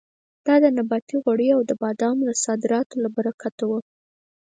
دا د نباتي غوړیو او د بادامو د صادراتو له برکته وه.